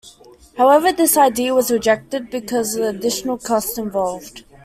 However, this idea was rejected because of the additional costs involved.